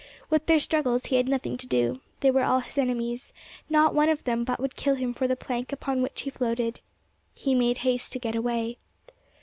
With their struggles he had nothing to do; they were all his enemies: not one of them but would kill him for the plank upon which he floated. He made haste to get away.